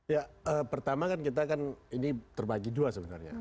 ya pertama kan kita kan ini terbagi dua sebenarnya